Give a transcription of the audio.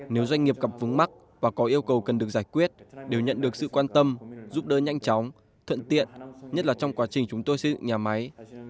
nếu doanh nghiệp gặp vướng mắt và có yêu cầu cần được giải quyết đều nhận được sự quan tâm giúp đỡ nhanh chóng thuận tiện nhất là trong quá trình chúng tôi xây dựng nhà máy